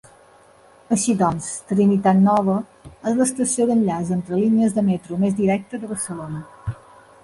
Així doncs, Trinitat Nova és l'estació d'enllaç entre línies de metro més directe de Barcelona.